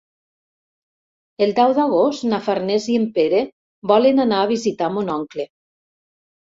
El deu d'agost na Farners i en Pere volen anar a visitar mon oncle.